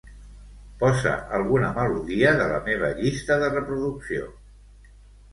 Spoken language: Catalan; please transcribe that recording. Posa alguna melodia de la meva llista de reproducció.